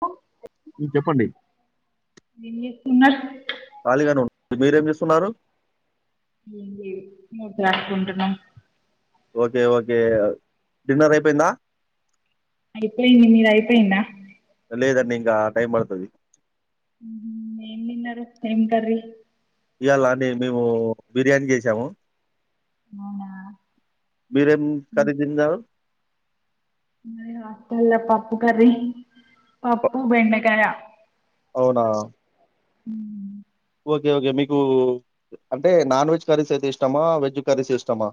హ ఊమ్ చెప్పండి ఉన్న ఖాళీగానే ఉ మీరేం ఏం జేస్తున్నారు నువ్వే నోట్స్ రాసుకుంటున్నం ఓకే ఓకే డిన్నర్ అయిపోయింద అయిపోయింది మీద అయిపోయిందా ఇగా టైమ్ పడ్తది ఊహ్మ్ ఏం తిన్నరు ఏం కర్రీ ఇయాల మేము బిర్యానీ జేసాము అవునా మీరేం కర్రీ తిన్నారు అ రాస్త పప్పు కర్రీ ప- పప్పు బెండకాయ అవునా ఉ ఓకే ఓకే మీకు అంటే నాన్ వెజ్ కర్రీస్ అయితే ఇష్టమా వెజ్ కర్రీస్ ఇస్తామా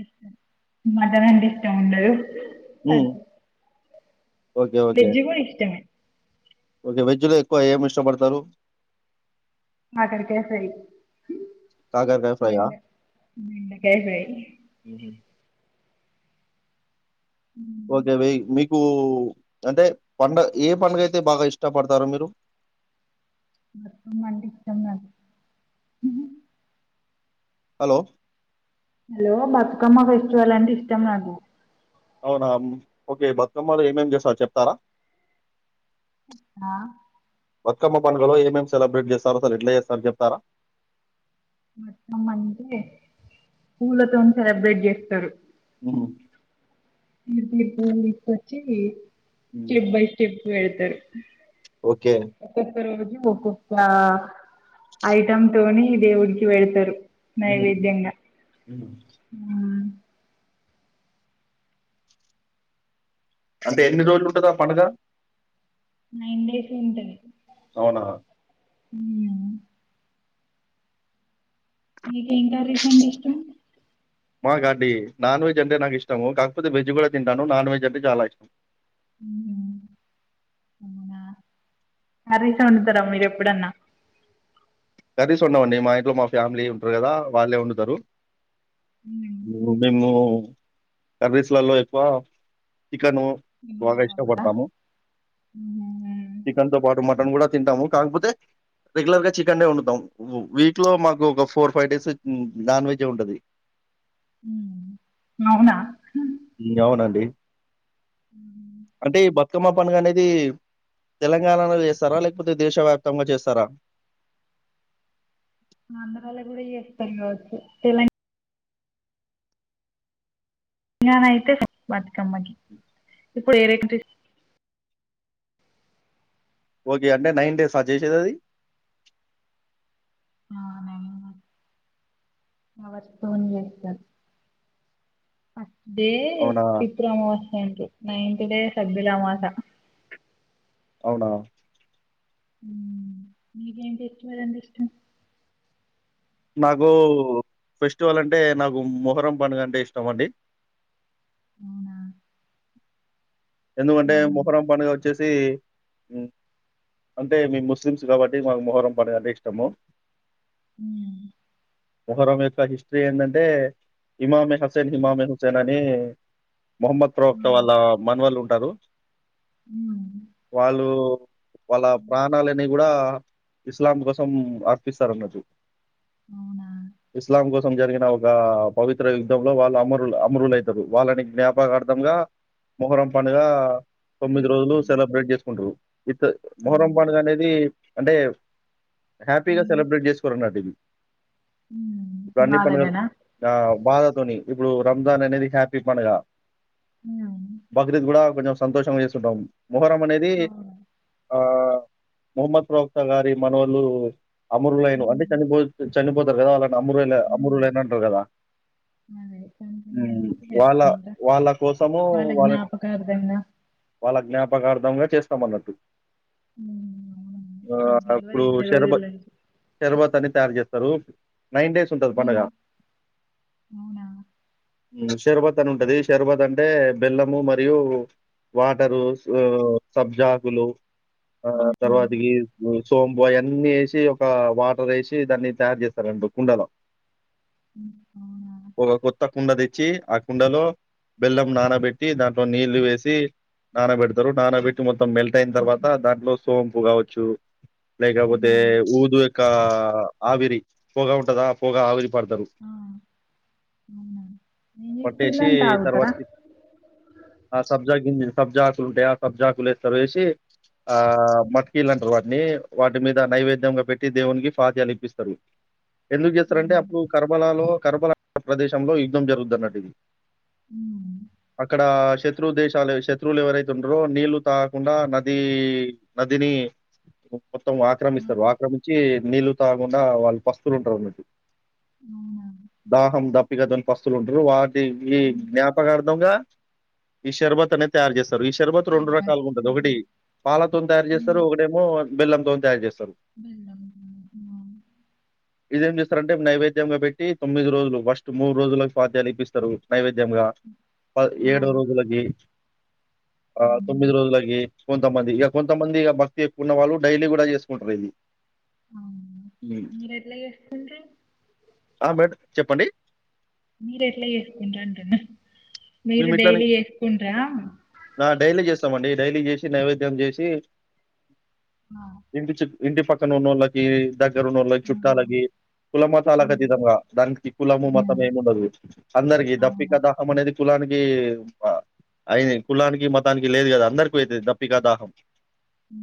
ఇష్టం మాటన్ అంటే ఇష్టము ఉండదు అది ఉమ్, ఓకే ఓకే వెజ్ కూడా ఇష్టమే ఓకే వెజ్ లో ఎక్కువ ఏమి ఇష్టపడతారు మాట్లాడతరా సర కాకరకాయ ఫ్రైయా బెండకాయ ఫ్రై ఉహు. మ్మ్. ఓకే వెయి మీకు అంటే పండగ ఏ పండగ అయితే బాగా ఇష్టపడతారు మీరు [inaudible] ఇష్టమ నాకు హలో హలో బతుకమ్మ ఫెస్టివల్ అంటే ఇష్టం నాకు అవునా ఓకే బతుకమ్మలు ఏమేమి చేస్తారు చెప్తారా ఆ బతుకమ్మ పండుగలో ఏం ఏం సెలబ్రేట్ చేస్తారో అసలు ఎట్లా చేస్తారో చెప్తారా బతుకమ్మ అంటే పూలతో సెలబ్రేట్ చేస్తారు అ [inaudible] తీసుకొచ్చి ఉమ్, స్టెప్ బై స్టెప్ వెళ్తారు ఓకే ఒక రోజు ఒక్కొక్క ఐటమ్ తోని దేవుడికి పెడతారు ఉమ్, నైవేద్యంగా ఉమ్. అంటే ఎన్ని రోజులు ఉంటదా పండుగ నైన్ డేస్ ఉంటది అవునా అ మీక ఏం కర్రీస్ అంటే ఇష్టం మా అండి నాన్ వెజ్ అంటే నాకు ఇష్టము కాకపోతే వెజ్ కూడా తింటాను నాన్ వెజ్ అంటే చాలా ఇష్టం అవునా హరీస వండుతారా మీరు ఎప్పుడన్నా [inaudible] [inaudible] కర్రీస్ ఉండమండి మా ఇంట్లో మా ఫ్యామిలీ ఉంటారు కదా వాళ్ళే వండుతారు మ్మ్. ఉ మేము కర్రీస్లలో ఎక్కువ చికెను బాగా ఇన్వాల్వ్ అవ్వరా? ఇష్టపడతాము మ్మ్. చికెన్ తో పాటు మటన్ కూడా తింటాము కాకపోతే రెగ్యులర్ గా చ వండటం వీక్ లో మాకు ఒక four five days non veg ఉంటది మ్మ్. అవునా అవునండి మ్మ్. అంటే ఈ బతుకమ్మ పండగ అనేది తెలంగాణలో చేస్తారా లేకపోతే దేశ వ్యాప్తంగా చేస్తారా ఆంధ్రలో కూడా చేస్తారు కావచ్చు తెలంగాణ తెలంగాణ అయితే బతికమ్మకి ఇప్పుడు ఏ రేక ఓకే అంటే నైన్ డేస్ అ చేసేది అది అ వ చే [inaudible] అవునా? [unintelligible] పితమోంట నైన్ [unintelligible] డే సబ్బలా మాస [inaudible] అవునా మీక ఎంట ఇష్టం వంట ఇష్టం నాకు ఫెస్టివల్ అంటే నాకు మొహరం పండుగ అంటే ఇష్టం అండి అవునా ఎందుకంటే ఉమ్. ముహరం పడుగ వచ్చేసి అంటే మీ ముస్లిమ్స్ కాబట్టి మాకు మొహరం పండగ అంటే ఇష్టము హ పరం యొక్క హిస్టరీ ఏంటంటే ఇమామి హుసన్ ఇమే హుసైన అనే మహమ్మద్ రోఫ్త ఆ, వాళ్ళ ఉంటారు ఉమ్. వాళ్ళు వాళ్ళ ప్రాణాలని కూడా ఇస్లాం కోసం ఆర్పిస్తారనటు అవునా ఇస్లాం కో జరిగిన ఒక పవిత్ర యుద్ధంలో వాళ్ళు అమరులు అమరుల అవుతారు వాళ్ళని జ్ఞాపకార్థంగా ముహరం పనుగా తొమ్మిది రోజులు జరుపుకుంటాం. సెలబ్రేట్ చేసుకుంటారు ఇ మొహరం అవునా. పండుగ అనేది అంటే హ్యాపీ గా ఉమ్. సెలబ్రేట్ చేసుకోరా నాటు ఇది ఉమ్. ఇ అన్ని ప బాధగనా ఆ బాధతోని ఇప్పుడు రంజాన్ అనేది హ్యాపీ మనగా ఉ బక్రీద్ కూడా కొంచెం సంతోషంగా చేస్తు ఉంటాం మొహరం అనేది అవునా. ఆ మహమ్మద్ ప్రవక్త గారి మనోలు అమరులైన అంటే ఉమ్. చపో చపో రాల అరు ఉమ్. అమరులేనింటారు కదా అదే చనిపోయినందుకు వాళ్ళ జరుపుకుంటా వాళ్ళ కోసం వాళ్ళ జ్ఞాపకార్థంగా చాలా జ్ఞాపకార్ధంగా చేస్తాంమన్నట్టు ఉమ్, అవునా ఆ నాకు తెలవదు ఇప్పుడు ఇన్ని శరబ రోజుల నుంచి శర్బతాన్ని తయారు చేస్తారు నైన్ డేస్ ఉంటది ఉమ్, పన్నగా అవునా షరబాత్ అని ఉంటదిషర్బాత్ అంట అంటే బెల్లము మరియు వాటరు సబ్జాకులు ఆ ఉమ్, తర్వాతికి సోంబుయ అన్ని వేసి ఒక వాటర్ వేసి దాన్ని తయారు చేస్తారంండి కుండలో అవునా కుండా దచ్చి ఆ కుడాలో బెల్లం నానబెట్టి దాంట్లో నీళ్ళలు వేసి నానబెడతారు నానబెట్టి మొత్తం మెల్ట్ అయిన తర్వాత దాంట్లో సోంపు కావచ్చు లైక్ అపోతే ఉమ్. ఊదు ఒకక్క ఆవిరి పోగా ఉంటదా పోగా ఆది ఫర్దరు ఆ, అవునా ఏం పట్టేసి చేస్తారని తాగుతారా తర్వాత్ ఆ సబ్ సబ్జా గింజిల్ సబ్జా ఆకులు ఉంటాయి ఆ సబ్జాకులు వస్తారు వేసి ఆ మట్కీలు అంటారు వాటిని వాటి మీద నైవేద్యంగా పెట్టి దేవునికి పాత్యాలు ఇప్పిస్తారు ఎందుకు చేస్తారంటే అవును అప్పుడు కర్బలాలో కర్బలా ప్రదేశంలో యుద్ధం జరుగుద్దన్నట్టు ఇది ఉమ్, అక్కడ శత్రు దేశాలు శత్రువులు ఎవరైతే ఉంటారో నీళ్లు తాగకుండా నదీ ని మొత్తం ఆ, ఆక్రమిస్తారు ఆక్రమించి నీళ్లు తాగకుండా వాళ్ళు పస్తులు ఉంటారు అన్నట్టు అవునా దాహం దప్పికతోని పస్తులుటారు వాటికి ఉమ్, జ్ఞా పకార్థంగా ఈ షర్బత్ అనేది తయారు చేస్ తరు ఈ షర్భత్ రెండు షర్బత్ రకాలుగా ఉంటది ఒకటి ఆహా, పాలతోని తయారు చేస్తారు ఉమ్, ఒకటేమో బెల్లంతోని తయారు చేస్తారు బెల్లం ఉమ్, ఇదేం చేస్తారంటే నైవేద్యంగా పెట్టి తొమ్మిది రోజులు ఫస్ట్ మూడు రోజులకు స్వాధ్యాలు ఇపిస్తారు నైవేద్యంగా ప ఆ, ఏడో రోజులకి ఆ అవును తొమ్మిది రోజులకి కొంతమంది ఇక కొంతమంది ఇక భక్తి ఎక్కువ ఉన్న వాళ్ళు డైలీ కూడా చేసుకుంటారు ఇది హ్మ్. మీరు ఎట్లా చేస్తుండు ఆ! మేడ్ చెప్పండి మీరు ఎట్లా చేసుకుంటండీ మేమి ఇట్లనిఆ డైలీ చేస్తాం డైలీ డైలీ చేసి నైవేద్యం చేసి ఆ ఇంకా చె ఇంటి పక్కన ఉన్నళ్ళకి దగ్గరు నళ్ళ ఆహా. చుట్టాలకి కుల ఉమ్. మతాలకుతదంగా దానికి కులము మతం ఉమ్. ఏమి ఉండదు అందరికీ అవును దప్పిక దాహం అనేది కులానికి అయిన కులానికి మతానికి లేదు కదా అందరికి అయితుంది దప్పిక దాహం హ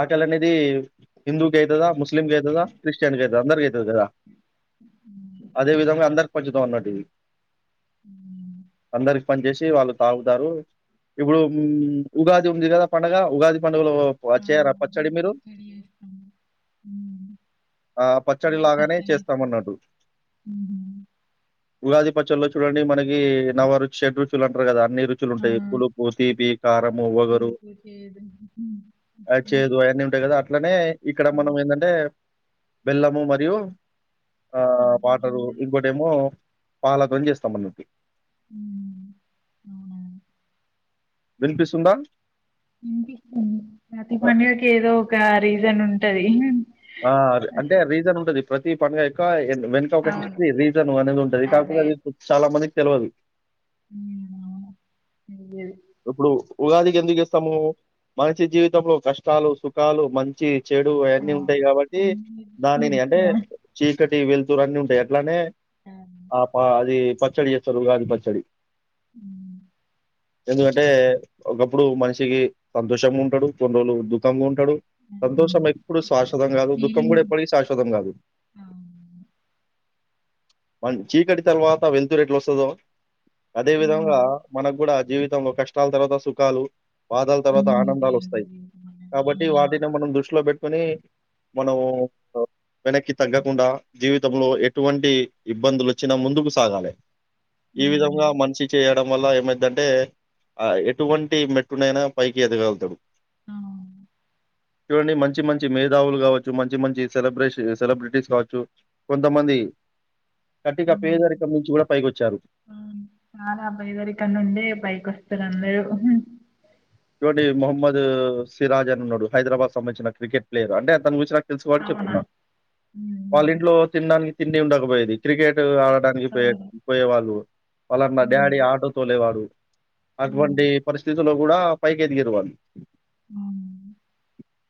ఆకలి అనేది హిందూ గైతుదా ముస్ ముస్లిం అవుతు క్రిటిన్కి అతు అందకి అతు కా ఉమ్. అదే విధంగా అందరి ఖచ్చతం అన్నటివి ఉ అందరికి పని చేేసి వాళ్ళు తాగుతారు ఇప్పుడు ఉగాది ఉంది కదా పండగ ఉగాది ప ఆ చేయ పచ్చడి ఉగాది మీరు చేస్తాం ఉమ్. ఆ పచ్చడి ఉగాది లాగానే పచ్చడి చేస్తాం చేస్తామన్నాడు ఉమ్. ఉగాది పచ్చల్లో చూడండి మనకి నవరుషడ్ చేడురుచుల్ అంటారు కదా అన్ని రు ఆ ఉంటాయి ఎ పులుపు తీపి కారము వగరు పులుపు చేదు ఉమ్. చేదు ఉప్పు అవన్నీ ఉంటాయి కదా అట్లానే ఇక్కడ మనం ఏంటంటే బెల్లము మరియు ఆ సబ్జా వాటరు గింజలు ఇంకోటి ఏమో పళ్లతో చేస్తామ అన్నట్టి అవునా విన్పిస్తుందా వినిపిస్తుంది ప్రతి పండుగకు ఏదో ఇ రీజన్ ఉంటది ఆ అంటే అసలు రీజన్ ఉంటది పడుగక్క ఎంత వెనుక ఒక హిస్టరీ రీజన్ అనేది ఉంటది కాకపోతే అది చాలా మంది తెలవాదు అవును అయ్యేది. ఎప్పుడు ఉగాదికి ఎందుకు ఇస్తాము మనిషి జీవితంలో కష్టాలు సుఖాలు మంచి చెడు ఆ! అవన్నీ ఉంటాయి కాబట్టి అన్నీ దానిని అంటే గుర్తుగా చీకటి కీవెళ్తూ అన్నీ ఉంటాయి అట్లానే ఆ! ఆప్పా అది పచ్చడి చేస్తారు ఉగాది పచ్చడి హ్మ్ ఎందుకంటే ఒకప్పుడు మనిషికి సంతోషంగా ఉంటాడు కొన్ని రోజులు దుఃఖంగా ఉంటాడు సంతోషం హ్మ్. ఎప్పుడు శాశ్వతం కాదు దుఃఖం ఫీలింగ్ కూడా ఎప్పటికి శాశ్వతం కాదు అవును. మన్ చీకటి తర్వాత వెల్తురు ఎట్లా వస్తుదో అదే విధంగా హ్మ్. మనకు కూడా కష్టాల తర్వాత సుఖాలు బాధల తర్వాత అన్నీ ఉంటాయి ఆనందాలు ఇంక వస్తాయి జీవితమనేది. కాబట్టి హ్మ్. వాటిని మనం దృష్టిలో పెట్ కొని మనము వెనక్కి తగ్గకుండా జీవితంలో ఎటువంటి ఇబ్బందులు వచ్చినా ముందుకు సాగాలి ఈ విధంగా హ్మ్. మనిషి చేయడం వల్ల ఏమైదంటే ఆ ఎటువంటి మెట్టునైనా పైకి ఎదగలుతాడు అవును. ఇడని మంచి మంచి మంచి మేధావులు కావచ్చు మంచి మంచి సెలబ్రష సెలబ్రిటీస్ కావచ్చు కొంతమంది కట్టిగా హ్మ్. పేదరికం నుంచి కూడా పైకొచ్చారు అవును. అందరూ ఇగోండి మహమ్మద్ సిరాజ్ అని ఉన్నాడు హైదరాబాద్ సంబంధించిన క్రికెట్ ప్లేయర్ అంటే అతను గూర్చి నాకు తెలుసు కాబట్టి అవునా? చెప్తున్నాను వాళ్ళ హ్మ్. ఇంట్లో తినడానికి తిండి ఉండకపోయేది క్రికెట్ పోయ అవును. పోయే వాళ్ళు వాళ్ళన్న హ్మ్. డాడీ ఆటో తోలేవాడు అవును. అటువంటి పరిస్థితులో కూడా పైకేదిగిరి వాళ్ళు అవును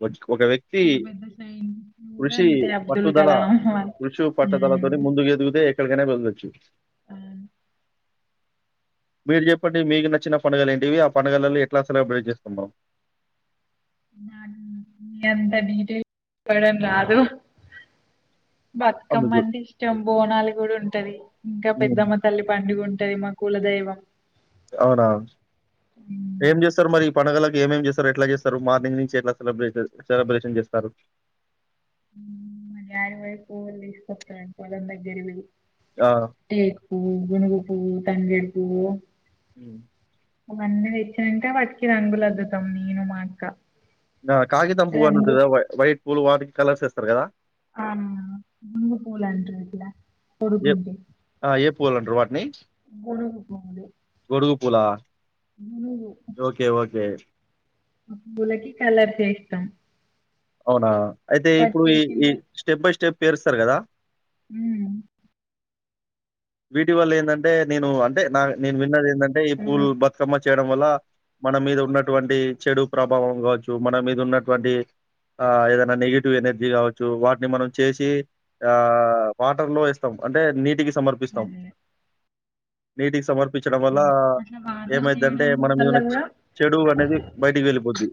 వట్క ఒక వ్యక్తి పెద్ద పెద్ద సైంటిస్టులు కూడా కృషి అంతే అబ్దుల్ పట్టుదల కలాం. కృషి పట్టుదలతో హ్మ్. ముందుకు ఎదిగితే కనే బందివచ్చు అవును. మీరు చెప్పండి మీకు నచ్చిన పండుగలు ఏంటి ఆ పండుగలలో ఎట్లా ఎలబ్రేట్ చేస్తునం న నీ అంత డిటేల్ గ చెప్పడం రాదు ఆ! బతుకమ్మ మీకు అంటే ఇష్టం బోనాలు కూడా ఉంటది ఇంకా హ్మ్. పెద్దమ్మ తల్లి పండుగ ఉంటది మా కులదైవం అ అవునా ఉమ్, ఏం చేస్తారు మరి పండడుగలకి ఏమేం చేస్తారు ఎట్లా చేస్తారు మార్నింగ్ నుంచి ఎట్లా సలే సెలబ్రేషన్ చేస్తారు మరి డాడీ వైపు వోల్ తీసుకస్తారు పొల్లం దగ్గరవి ఆ! టేకుూ పువ్వు గునుగు పువ్వు తంగేడీ ఏ [inaudible] మన్న తెచ్చినంటే వట్కి రంగులదుతాం నేను మా అక్క ఆ కాగితం పూవు రంగు అన్నంటద వైట్ పూలు వా కలర్స్ ఇస్తరు కదా అనా గుంగ పూలేంటరు ఇట్ల ఏ కొడుగుంట ఆ! ఏ పూలంటారు వాటిని? గుగు ఆ గొడుగు పూలా ఓకే ఓకే పూలకి కలర్సే ఇష్టం అవునా అయితే ఇప్పుడు ఈ ఈ స్టెప్ బై స్టెప్ పేరుస్తారు కదా హ వీటి వల్ల ఎందంటే నేను అంటే నా నేను విన్నది అంటే ఈ పూల్ హ్మ్. బతుకమ్మ చేయడం వల్ల మన మీద ఉన్నటువంటి చెడు ప్రభావం కావచ్చు మన మీద ఉన్నటువంటి ఏదనా నెగిటివ్ ఎనర్జీ కావచ్చు వాటిని మనం చేసి ఆ వాటర్ లో ఏస్తాం అంటే నీటికి సంబంధించ [inaudible] నీటికి సమర్ప పించడం వల్ల అట్లా వాటర్‌లో ఏమైతుంటే ఎయడం మనం వల్ల ఏదైనా గూడా చెడు అనేది బయటికి వెళ్ళిపోద్ది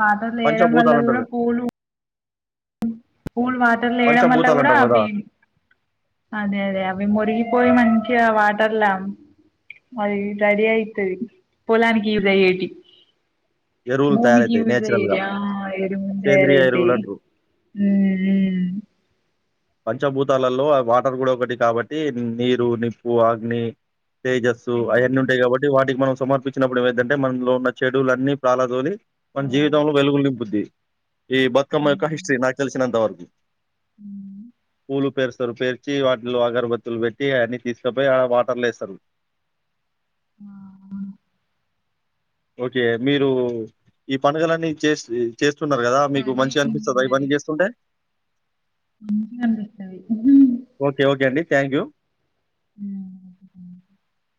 కాలువలో వేయడం వల్ల కూడా పంచభూతాలంటారు. పూలు పూల్ హ్మ్. వాటర్లు వేయడం వల్ల కూడా పంచభూతాలంటాం గదా! అవి అదే అదే అ మురిగికిపోయి మంచించి వాటర్లా అది రెడీయితది పొలానికి యూస్ అయ్యేకి ఎరువులు భూమికి తయారైతాయి నేచురల్‌గా. యూరియా ఎరువులు సేంద్రియ తయారైతాయి ఎరువులంటారు. ఉమ్ పంచభూతాలలో వాటర్ కూడా ఒకటి కాబట్టి నీరు నిప్పు అగ్ని తేజస్సు అయన్నీ హ్మ్. ఉంటాయి కాబట్టి వాటికి మనం సమర్పించినప్పుడు ఏమైంటంటే మనలో ఉన్న చెడులన్నీ ప్రాలాదోలి మన హ్మ్. జీవితంలో వెలుగులు నింపుద్ది ఈ బతుకమ్మ యొక్క హ్మ్. హిస్టరీ నాకు తెలిసినంత వరకు [inaudible] పూలు పేరుస్తారు పేర్చి వాటిలో అగరబత్తులు పెట్టి అన్నిీ తీసుకపోయి వాటర్ల ఎస్తారు [inaudible] ఓకే మీరు ఈ పండుగలన్నీ చేసి చేస్త చేస్తూన్నారు కదా మీకు సరే మంచిగా అనిపిస్తుందా ఇవన్న చేస్తుంటే కపిస్తది ఓకే. ఓకే అండి. Thank you a